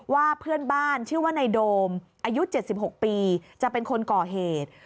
ว่าเพื่อนบ้านชื่อว่าในโดมอายุ๗๖ปีจะเป็นคนก่อเหตุ